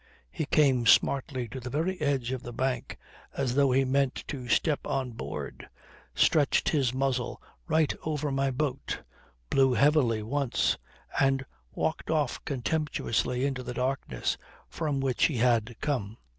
He came smartly to the very edge of the bank as though he meant to step on board, stretched his muzzle right over my boat, blew heavily once, and walked off contemptuously into the darkness from which he had come.